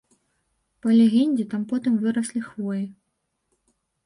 Па легендзе, там потым выраслі хвоі.